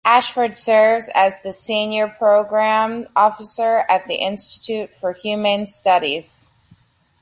Ashford serves as the Senior Programs Officer at the Institute for Humane Studies.